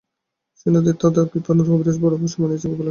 সেনদিদির দাদা কৃপানাথ কবিরাজ বড় পোষ মানিয়াছে গোপালের কাছে।